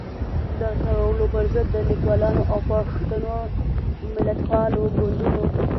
د تړلو پر ضد د ليکوالانو او پښتنو ملتپالو ګوندونو